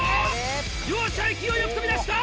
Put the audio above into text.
両者勢いよく飛び出した！